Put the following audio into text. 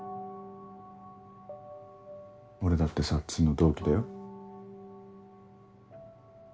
俺だってさっつんの同期だよ。